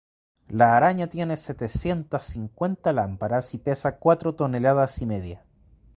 La araña tiene setecientas cincuenta lámparas y pesa cuatro toneladas y media.